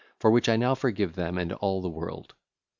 for which I now forgive them and all the world.